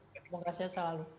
terima kasih selalu